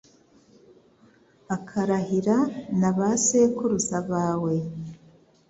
akarahira na ba sekuruza bawe